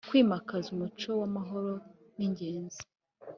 Kwimakaza umuco w’amahoro ni ingenzi